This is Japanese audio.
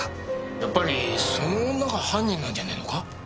やっぱりその女が犯人なんじゃねえのか？